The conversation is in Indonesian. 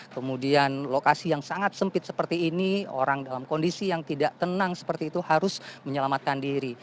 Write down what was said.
kemudian lokasi yang sangat sempit seperti ini orang dalam kondisi yang tidak tenang seperti itu harus menyelamatkan diri